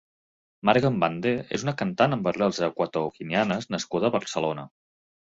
Marga Mbande és una cantant amb arrels ecuatoguineanes nascuda a Barcelona.